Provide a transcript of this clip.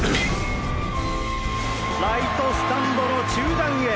ライトスタンドの中段へ！